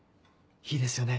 いいですよね？